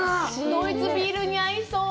ドイツビールに合いそう。